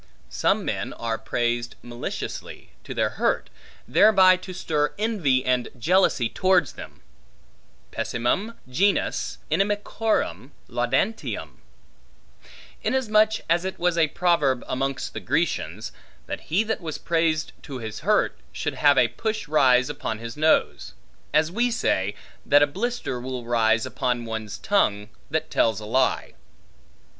Some men are praised maliciously, to their hurt, thereby to stir envy and jealousy towards them: pessimum genus inimicorum laudantium; insomuch as it was a proverb, amongst the Grecians, that he that was praised to his hurt, should have a push rise upon his nose; as we say, that a blister will rise upon one's tongue, that tells a lie.